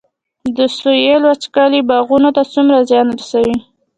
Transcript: د سویل وچکالي باغونو ته څومره زیان رسوي؟